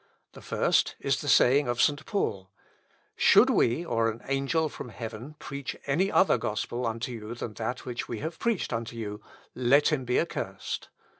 "The first is the saying of St. Paul, 'Should we, or an angel from heaven, preach any other gospel unto you than that which we have preached unto you, let him be accursed.'"